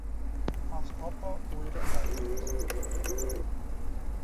Az apa újra elutazik.